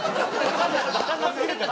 わからなすぎるから！